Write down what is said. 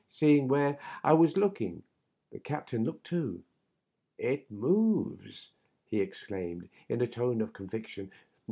Seeing where I was looking, the captain looked too. " It moves 1 " he exclaimed, in a tone of conviction.